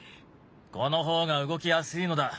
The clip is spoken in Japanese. この方が動きやすいのだ。